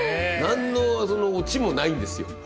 何のオチもないんですよ。